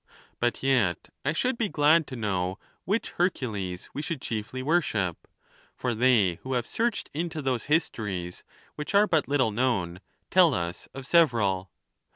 But yet I should be glad to know which Hercules we should chiefly worship ; for they who have searched into those histories, which are bat little known, tell us of sev eral.